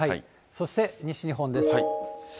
そして西日本です。